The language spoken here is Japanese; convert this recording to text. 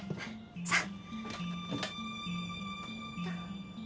さあ。